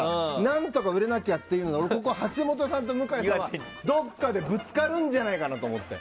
何とか売れなきゃっていうので僕は、橋本さんと向さんがどこかでぶつかるんじゃないかと思って。